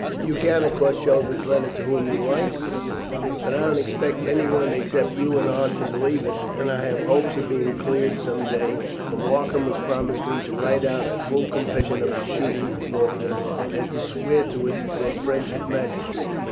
"You can, of course, show this letter to whom you like, but I don't expect anyone except you and Aunt to believe it. I have hopes of being cleared some day, for Markham has promised me to write out a full confession of his shooting Faulkner, and to swear to it before a French magistrate.